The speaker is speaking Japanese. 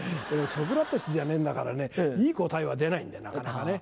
ソクラテスじゃねえんだからいい答えは出ないんでなかなかね。